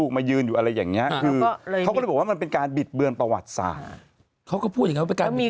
เขาก็พูดอย่างนั้นมันเป็นการบิดเบือนประวัติศาสตร์